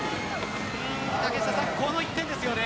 この１点ですよね。